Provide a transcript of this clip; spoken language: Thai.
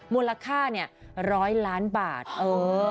มูลราคา๑๐๐ล้านบาทเออ